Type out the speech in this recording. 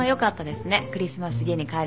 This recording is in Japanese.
クリスマス家に帰れるなんて。